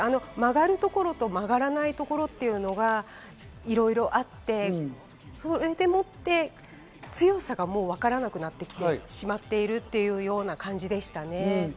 曲がるところと曲がらないところがいろいろあって、それで強さがわからなくなってきてしまっているというような感じでしたね。